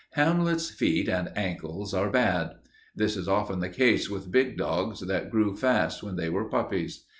Hamlet's feet and ankles are bad. This is often the case with big dogs that grew fast when they were puppies.